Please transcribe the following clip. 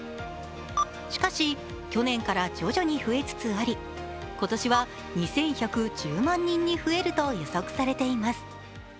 しかし、去年から徐々に増えつつあり、今年は２１１０万人に増えると予測されています。